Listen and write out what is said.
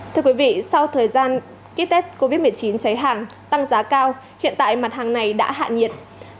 thưa quý vị sau thời gian ký tết covid một mươi chín cháy hàng tăng giá cao hiện tại mặt hàng này đã hạ nhiệt